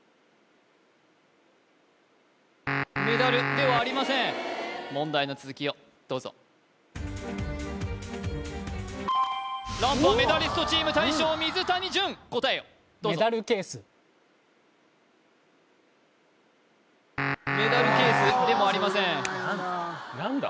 メダルではありません問題の続きをどうぞ何とメダリストチーム大将・水谷隼答えをどうぞメダルケースでもありません何だ？